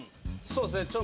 そうですね。